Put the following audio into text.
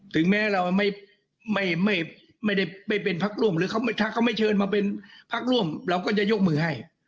ถึงแม้เราไม่ได้ไม่เป็นพักร่วมหรือถ้าเขาไม่เชิญมาเป็นพักร่วมเราก็จะยกมือให้